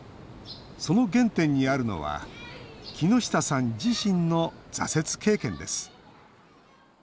その原点にあるのは木下さん自身の挫折経験です。